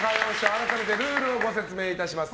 改めてルールをご説明いたします。